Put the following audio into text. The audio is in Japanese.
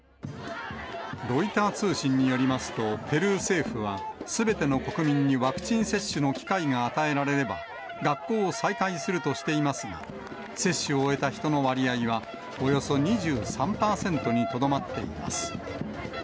ロイター通信によりますと、ペルー政府は、すべての国民にワクチン接種の機会が与えられれば、学校を再開するとしていますが、接種を終えた人の割合は、およそ２３％にとどまっています。